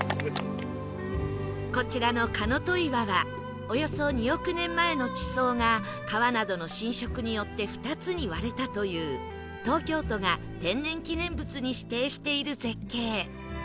こちらの神戸岩はおよそ２億年前の地層が川などの浸食によって２つに割れたという東京都が天然記念物に指定している絶景